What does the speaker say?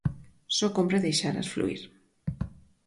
Só cómpre deixalas fluír.